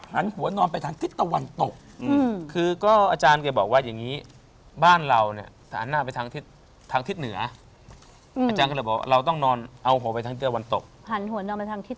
หันหัวนอนไปทางทิศตะวันตกจริงแล้วเราก็กลัวเหมือนกัน